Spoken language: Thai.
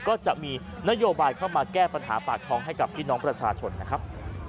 ก็จะมีนโยบายเข้ามาแก้ปัญหาปากท้องให้กับพี่น้องประชาชนนะครับ